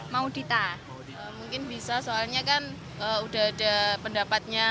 mungkin bisa soalnya kan udah ada pendapatnya